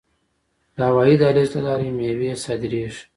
د هوایی دهلیز له لارې میوې صادریږي.